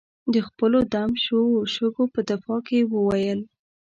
د خپلو دم شوو شګو په دفاع کې یې وویل.